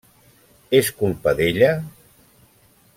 És culpa d'ella?